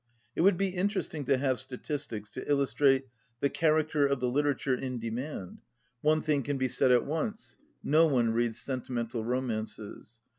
It would be interesting to have statistics to illustrate the character of the literature in de 184 mand. One thing can be said at once. No one reads sentimental romances.